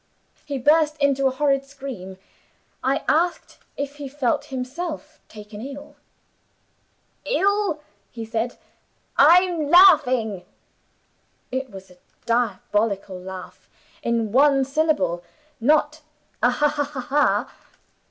He burst into a horrid scream. I asked if he felt himself taken ill. 'Ill?' he said 'I'm laughing.' It was a diabolical laugh, in one syllable not 'ha! ha! ha!